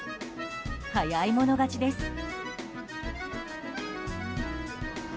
早い者勝ちです。